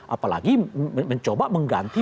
apalagi mencoba mengganti